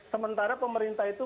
sementara pemerintah itu